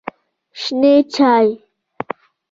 شنې چای